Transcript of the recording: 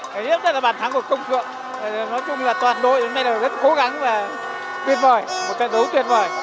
nói chung là bản thắng của công trượng nói chung là toàn đội đến nay rất cố gắng và tuyệt vời một trận đấu tuyệt vời